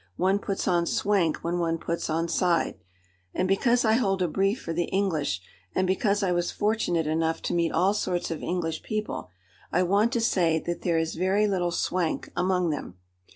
One puts on swank when one puts on side. And because I hold a brief for the English, and because I was fortunate enough to meet all sorts of English people, I want to say that there is very little swank among them.